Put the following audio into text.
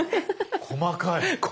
細かい。